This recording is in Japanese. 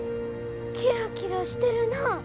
キラキラしてるな。